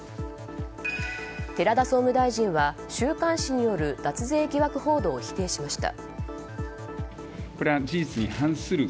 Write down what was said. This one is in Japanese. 寺田総務大臣は週刊誌による脱税疑惑報道を否定しました。